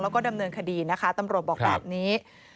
แล้วก็ดำเนินคดีนะคะตำรวจบอกแบบนี้